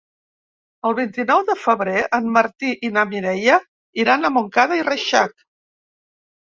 El vint-i-nou de febrer en Martí i na Mireia iran a Montcada i Reixac.